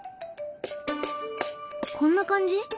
こんな感じ？